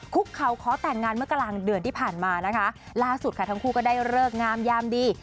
คุกเขาขอแต่งงานเมื่อกลางเดือนที่ผ่านมานะคะล่าสุดค่ะทั้งคู่ก็ได้เลิกงามยามดี